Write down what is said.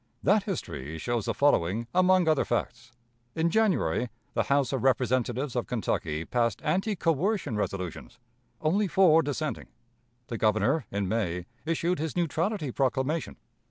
That history shows the following among other facts: In January, the House of Representatives of Kentucky passed anti coercion resolutions only four dissenting. The Governor, in May, issued his neutrality proclamation.